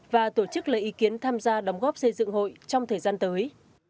và tổ chức lấy ý kiến tham gia đóng góp xây dựng hội trong thời gian tới